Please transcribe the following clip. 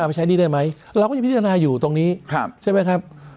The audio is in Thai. ไปใช้หนี้ได้ไหมเราก็ยังพิจารณาอยู่ตรงนี้ใช่ไหมครับ